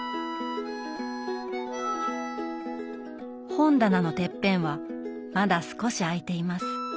本棚のてっぺんはまだ少し空いています。